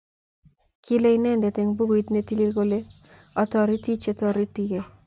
Kile inendet eng bukuit netilil kole atoriti chetoritikei